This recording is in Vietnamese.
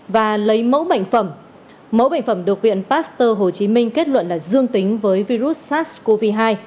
và lấy mẫu bệnh phẩm mẫu bệnh phẩm được viện pasteur hồ chí minh kết luận là dương tính với virus sars cov hai